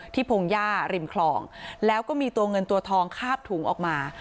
พงหญ้าริมคลองแล้วก็มีตัวเงินตัวทองคาบถุงออกมา